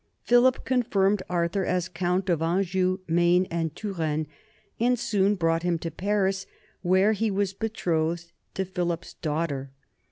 Philip confirmed Arthur as count of Anjou, Maine, and Touraine, and soon brought him to Paris, where he was betrothed to Philip's daughter.